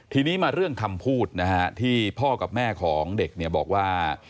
ทีนี้มาเรื่องคำพูดนะฮะที่พ่อกับแม่ของเด็กเนี่ยบอกว่า